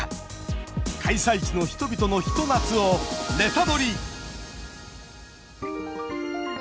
開催地の人々のひと夏をネタドリ！